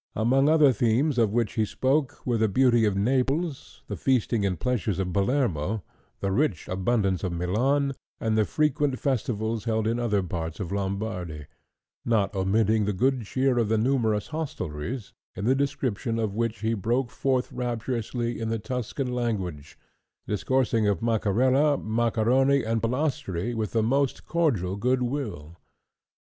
Among other themes of which he spoke were the beauty of Naples, the feasting and pleasures of Palermo, the rich abundance of Milan, and the frequent festivals held in other parts of Lombardy—not omitting the good cheer of the numerous hostelries—in the description of which he broke forth rapturously in the Tuscan language, discoursing of Macarela, Macarroni, and Polastri, with the most cordial goodwill.